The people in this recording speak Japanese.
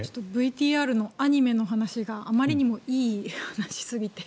ＶＴＲのアニメの話があまりにもいい話すぎて。